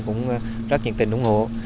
cũng rất nhiệt tình ủng hộ